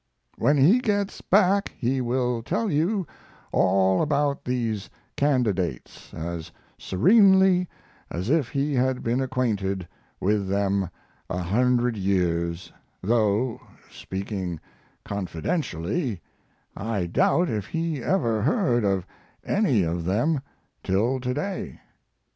When he gets back he will tell you all about these candidates as serenely as if he had been acquainted with them a hundred years, though, speaking confidentially, I doubt if he ever heard of any of them till to day.